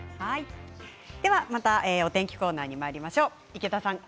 またお天気コーナーにまいりましょう。